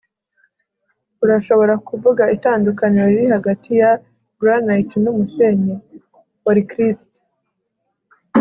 urashobora kuvuga itandukaniro riri hagati ya granite numusenyi? (orcrist